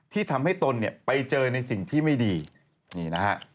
ที่ทำให้ตนไปเจอในสิ่งที่ไม่ดีนี่ค่ะ